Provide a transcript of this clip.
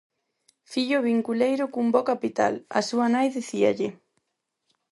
Fillo vinculeiro cun bo capital, a súa nai dicíalle: